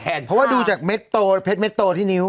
เพราะว่าดูจากเม็ดโตเม็ดโตที่นิ้ว